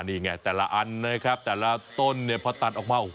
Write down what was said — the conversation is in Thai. นี่ไงแต่ละอันแต่ละต้นพอตัดออกมา